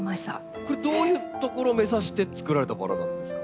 これどういうところを目指してつくられたバラなんですか？